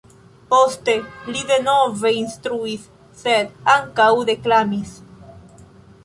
Poste li denove instruis, sed ankaŭ deklamis.